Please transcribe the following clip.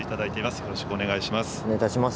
よろしくお願いします。